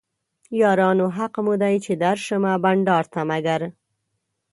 یارانو حق مو دی چې درشمه بنډار ته مګر